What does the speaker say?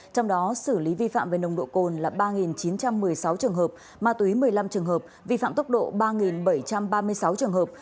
trong đó xử lý vi phạm về nồng độ cồn là ba chín trăm một mươi sáu trường hợp ma túy một mươi năm trường hợp vi phạm tốc độ ba bảy trăm ba mươi sáu trường hợp